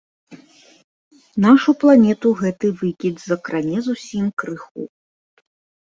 Нашу планету гэты выкід закране зусім крыху.